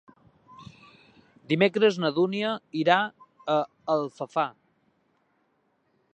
Dimecres na Dúnia irà a Alfafar.